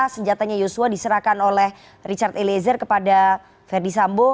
senjatanya joshua diserahkan oleh richard eliezer kepada verdi sambo